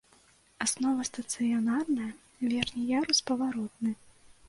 Аснова стацыянарная, верхні ярус паваротны.